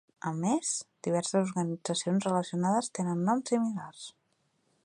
A més, diverses organitzacions relacionades tenen noms similars.